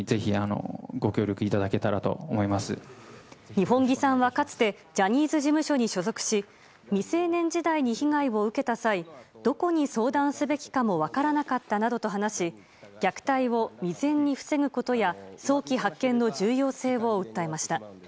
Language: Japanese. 二本樹さんは、かつてジャニーズ事務所に所属し未成年時代に被害を受けた際どこに相談すべきかも分からなかったなどと話し虐待を未然に防ぐことや早期発見の重要性を訴えました。